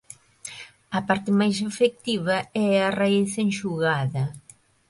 A parte máis efectiva é a raíz enxugada.